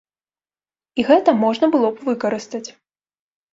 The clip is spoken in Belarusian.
І гэта можна было б выкарыстаць.